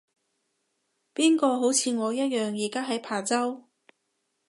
邊個好似我一樣而家喺琶洲